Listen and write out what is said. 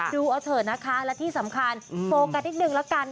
ดูเอาเถอะนะคะและที่สำคัญโฟกัสนิดนึงละกัน